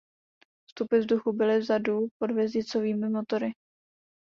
Vstupy vzduchu byly vzadu pod hvězdicovými motory.